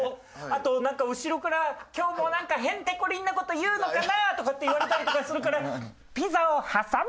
あと後ろから「今日もへんてこりんな事言うのかなあ」とかって言われたりとかするから。